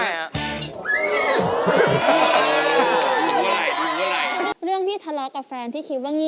เฮ้ยอย่าลืมฟังเพลงผมอาจารย์นะ